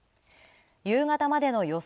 夕方までの予想